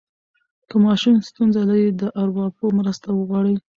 که ماشوم ستونزه لري، د ارواپوه مرسته وغواړئ.